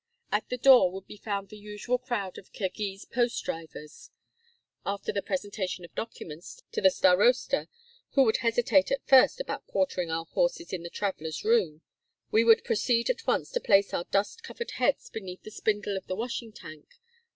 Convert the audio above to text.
At the door would be found the usual crowd of Kirghiz post drivers. After the presentation of documents to the starosta, who would hesitate at first about quartering our horses in the travelers' room, we would proceed at once to place our dust covered heads beneath the spindle of the washing tank.